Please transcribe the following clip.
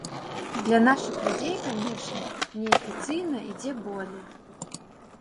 Для нашых людзей, канешне, неафіцыйна ідзе болей.